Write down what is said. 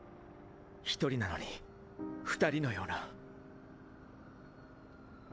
１人なのに２人のような。